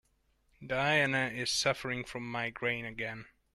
Diana is suffering from migraine again.